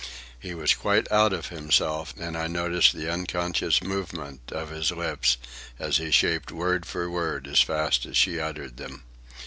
He was quite out of himself, and I noticed the unconscious movement of his lips as he shaped word for word as fast as she uttered them.